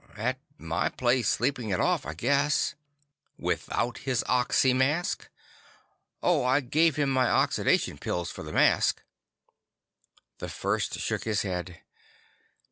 "At my place, sleeping it off, I guess." "Without his oxy mask?" "Oh, I gave him my oxidation pills for the mask." The First shook his head.